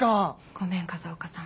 ごめん風岡さん。